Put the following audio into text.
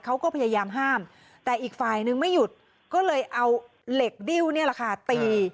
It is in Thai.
เขาก็พยายามห้ามแต่อีกฝ่ายนึงไม่หยุดก็เลยเอาเหล็กดิ้วนี่แหละค่ะตี